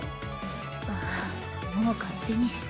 あぁもう勝手にして。